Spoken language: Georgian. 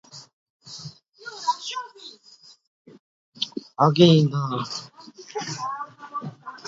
ეს იყო დროებითი ხიდი, რომელიც ააგეს მალო-კალინკინის ხიდის რემონტის პერიოდში.